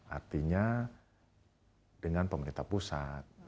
artinya dengan pemerintah pusat